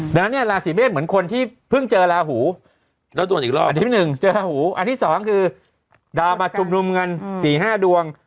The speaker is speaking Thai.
ดังนั้นลาศีเมฆเหมือนคนที่เพิ่งเจอลาหูอันที่สองคือดาวมาจุบนุมเงิน๔๕ดวง